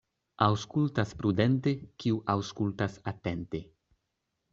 Aŭskultas prudente, kiu aŭskultas atente.